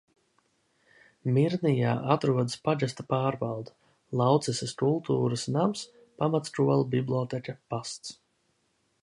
Mirnijā atrodas pagasta pārvalde, Laucesas kultūras nams, pamatskola, bibliotēka, pasts.